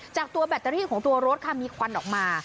จากตัวแบตเตอรี่ของตัวรถค่ะมีควันออกมา